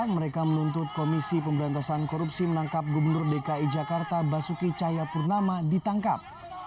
mereka menuntut komisi pemberantasan korupsi menangkap gubernur dki jakarta basuki cahayapurnama ditangkap